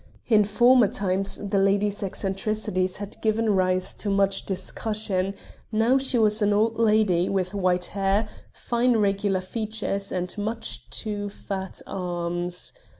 In former times the lady's eccentricities had given rise to much discussion; now she was an old lady with white hair, fine regular features and much too fat arms.